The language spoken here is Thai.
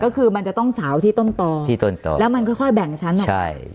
ก็คือมันจะต้องสาวที่ต้นต่อที่ต้นต่อแล้วมันค่อยแบ่งชั้นออกใช่